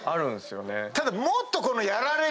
ただもっと。